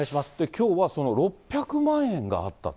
きょうはその６００万円があ